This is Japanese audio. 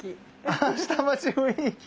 あ下町雰囲気。